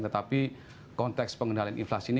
tetapi konteks pengendalian inflasi ini